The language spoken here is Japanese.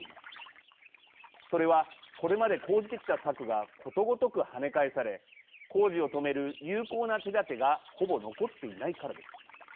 それはこれまで講じてきた策がことごとくはね返され工事を止める有効な手だてがほぼ残っていないからです。